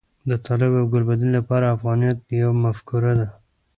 د طالب او ګلبدین لپاره افغانیت یوه مفکوره ده.